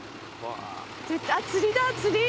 あっ釣りだ釣り。